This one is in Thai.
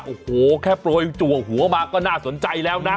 โอ้โหแค่โปรยจัวหัวมาก็น่าสนใจแล้วนะ